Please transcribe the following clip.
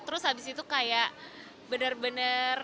terus abis itu kayak benar benar